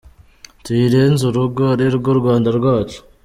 Tuyirenze urugo ari rwo Rwanda rwacu.